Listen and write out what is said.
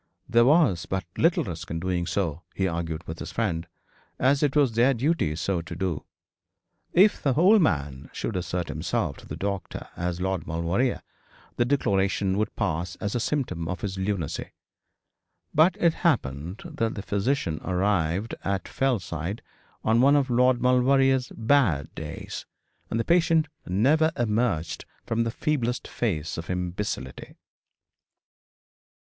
There was but little risk in so doing, he argued with his friend, and it was their duty so to do. If the old man should assert himself to the doctor as Lord Maulevrier, the declaration would pass as a symptom of his lunacy. But it happened that the physician arrived at Fellside on one of Lord Maulevrier's bad days, and the patient never emerged from the feeblest phase of imbecility.